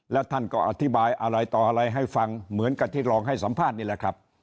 แล้วท่านก็อธิบายอะไรต่ออะไรให้ฟังเหมือนกับที่รองให้สัมภาษณ์นี่แหละครับ